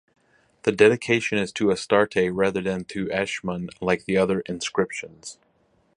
The dedication is to Astarte rather than to Eshmun like the other inscriptions.